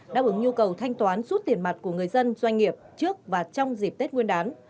đáp ứng nhu cầu thanh toán rút tiền mặt của người dân doanh nghiệp trước và trong dịp tết nguyên đán